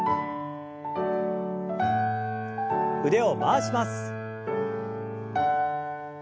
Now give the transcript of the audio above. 腕を回します。